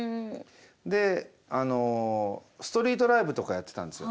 であのストリートライブとかやってたんですよ。